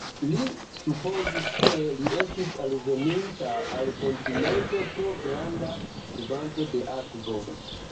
Li supozis, ke li estis alveninta al kontinento pro la granda kvanto de akvo.